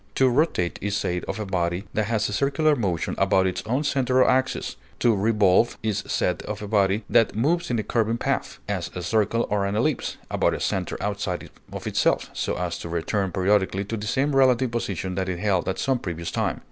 To rotate is said of a body that has a circular motion about its own center or axis; to revolve is said of a body that moves in a curving path, as a circle or an ellipse, about a center outside of itself, so as to return periodically to the same relative position that it held at some previous time.